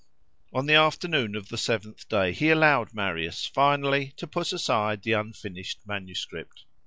On the afternoon of the seventh day he allowed Marius finally to put aside the unfinished manuscript.